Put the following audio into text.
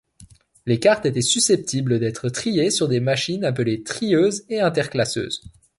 Les cartes étaient susceptibles d'être triées sur des machines appelées trieuses et interclasseuses.